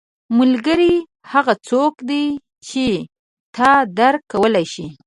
• ملګری هغه څوک دی چې تا درک کولی شي.